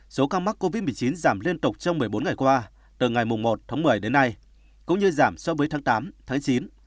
số ca mắc covid một mươi chín giảm liên tục trong một mươi bốn ngày qua từ ngày một tháng một mươi đến nay cũng như giảm so với tháng tám tháng chín